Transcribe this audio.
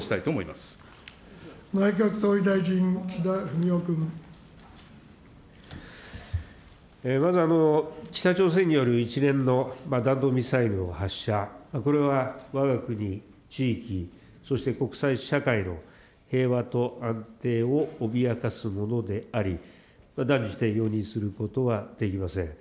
まず、北朝鮮による一連の弾道ミサイルの発射、これはわが国地域、そして国際社会の平和と安定を脅かすものであり、断じて容認することはできません。